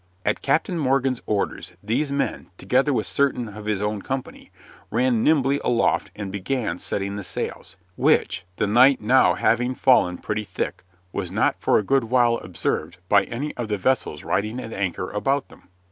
At Captain Morgan's orders, these men, together with certain of his own company, ran nimbly aloft and began setting the sails, which, the night now having fallen pretty thick, was not for a good while observed by any of the vessels riding at anchor about them.